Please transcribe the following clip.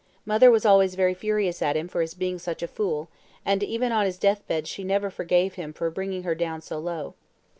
Mother was always very furious at him for his being such a fool, and even on his death bed she never forgave him for bringing her down so low.